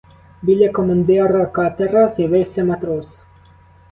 Біля командира катера з'явився матрос.